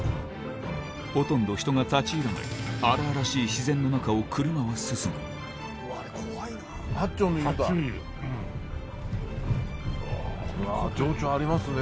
ほとんど人が立ち入らない荒々しい自然の中を車は進む情緒ありますね